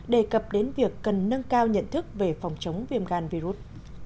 đề cập đến việc cần nâng cao nhận thức về phòng chống viêm gan virus